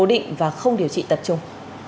bố định và không điều trị tập trung